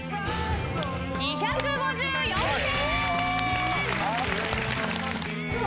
２５４点。